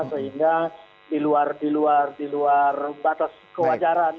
sehingga di luar di luar di luar batas kewajaran